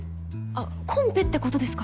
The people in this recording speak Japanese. あっコンペってことですか？